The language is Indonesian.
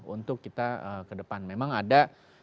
untuk kita ke depan memang ada